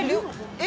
え？